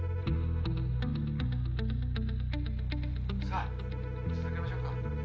さあ続けましょうか。